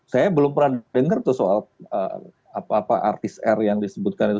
saya belum pernah dengar soal apa apa artis r yang disebutkan itu